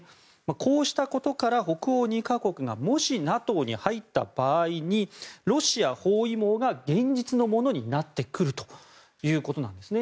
こうしたことから北欧２か国がもし、ＮＡＴＯに入った場合にロシア包囲網が現実のものになってくるということなんです。